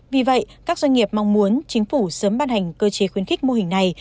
vì vậy các doanh nghiệp mong muốn chính phủ sớm ban hành cơ chế khuyến khích mô hình này